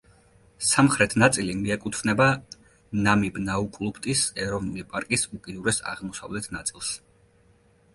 სამხრეთ ნაწილი მიეკუთვნება ნამიბ-ნაუკლუფტის ეროვნული პარკის უკიდურეს აღმოსავლეთ ნაწილს.